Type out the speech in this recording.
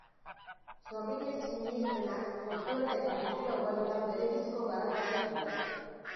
Sorginen sinismenak folklore eta kultura ugaritan berebiziko garrantzia dute.